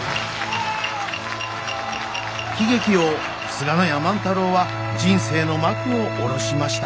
喜劇王須賀廼家万太郎は人生の幕を下ろしました。